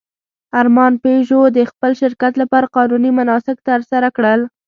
ارمان پيژو د خپل شرکت لپاره قانوني مناسک ترسره کړل.